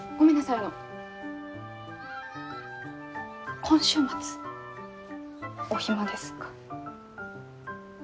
あの今週末お暇ですか？